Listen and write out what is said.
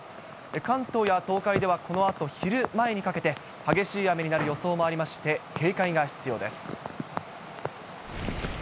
関東や東海ではこのあと昼前にかけて、激しい雨になる予想もありまして、警戒が必要です。